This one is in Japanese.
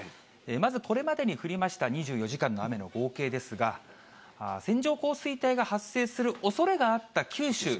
まず、これまでに降りました２４時間の雨の合計ですが、線状降水帯が発生するおそれがあった九州。